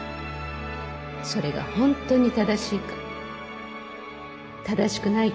それが本当に正しいか正しくないか。